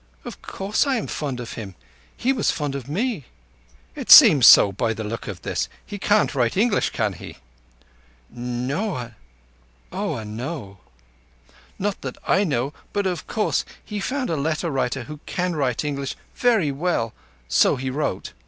"Of course I am fond of him. He was fond of me." "It seems so by the look of this. He can't write English, can he?" "Oah no. Not that I know, but of course he found a letter writer who can write English verree well, and so he wrote.